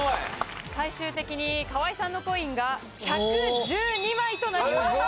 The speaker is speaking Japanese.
最終的に河合さんのコインが１１２枚となりました